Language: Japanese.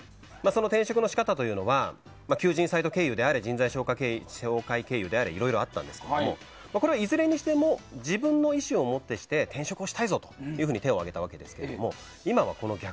その転職の仕方というのは求人サイト経由であれ人材紹介経由であれいろいろあったんですけどこれはいずれにしても自分の意思をもってして転職をしたいと手を挙げたんですが今はこの逆。